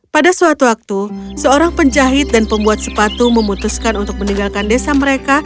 pada suatu waktu seorang penjahit dan pembuat sepatu memutuskan untuk meninggalkan desa mereka